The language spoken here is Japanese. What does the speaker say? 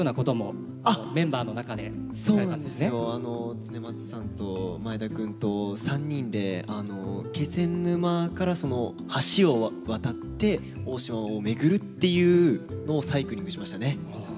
恒松さんと前田君と３人で気仙沼から橋を渡って大島を巡るっていうのをサイクリングしましたね。